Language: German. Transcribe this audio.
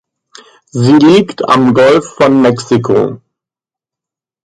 Sie liegt am Golf von Mexiko.